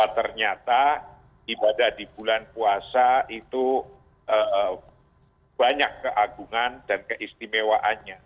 ternyata ibadah di bulan puasa itu banyak keagungan dan keistimewaannya